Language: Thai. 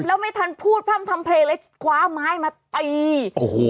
แล้วไม่ทันพูดพร่ำทำเพลงเลยคว้าไม้มาตีโอ้โห